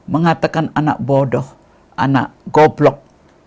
mengatakan anak bodoh anak goblok